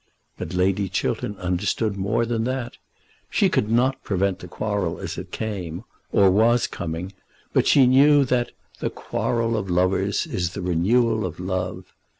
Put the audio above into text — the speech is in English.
But Lady Chiltern understood more than that. She could not prevent the quarrel as it came, or was coming; but she knew that "the quarrel of lovers is the renewal of love."